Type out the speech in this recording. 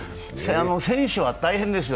選手は大変ですよ。